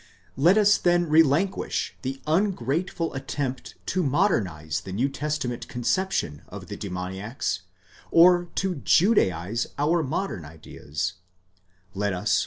*3 Let us then relinquish the ungrateful attempt to modernize the New Testa ment conception of the demoniacs, or to judaize our modern ideas ;—let us.